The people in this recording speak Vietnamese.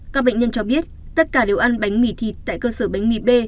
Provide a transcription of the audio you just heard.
các bệnh nhân cho biết tất cả đều ăn bánh mì thịt tại cơ sở bánh mì b